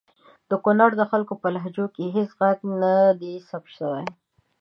د کنړ د خلګو په لهجو هیڅ ږغ ندی ثبت سوی!